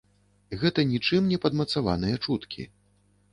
Гэта ні чым не падмацаваныя чуткі.